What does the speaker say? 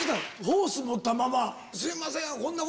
ホース持ったまま「すいませんこんな」。